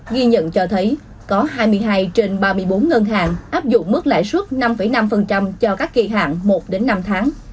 ghi nhận cho thấy có hai mươi hai trên ba mươi bốn ngân hàng áp dụng mức lãi suất năm năm cho các kỳ hạn một năm tháng